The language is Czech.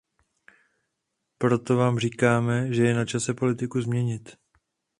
Proto vám říkáme, že je načase politiku změnit.